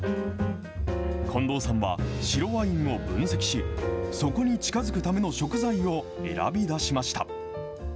近藤さんは白ワインを分析し、そこに近づくための食材を選び出しました。